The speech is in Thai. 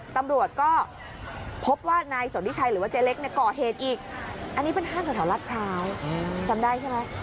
ตำรวจก็พบว่านายสนทิชัยหรือว่าเจ๊เล็กเนี่ยก่อเหตุอีกอันนี้เป็นห้างแถวรัฐพร้าวจำได้ใช่ไหม